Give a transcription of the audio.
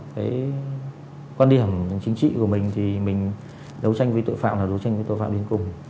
cái quan điểm chính trị của mình thì mình đấu tranh với tội phạm là đấu tranh với tội phạm đến cùng